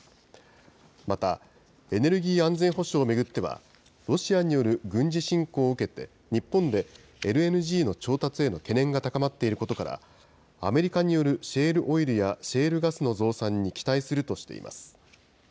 また、エネルギー安全保障を巡っては、ロシアによる軍事侵攻を受けて、日本でＬＮＧの調達への懸念が高まっていることから、アメリカによるシェールオイルやシェールガスの増産に期待するとしています。